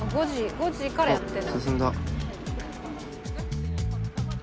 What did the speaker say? ５時からやってるんだ。